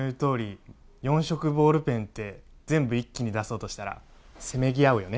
確かに４色ボールペンって全部一気に出そうとしたら、せめぎ合うよね。